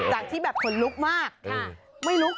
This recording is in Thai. จากที่แบบขนลุกมาก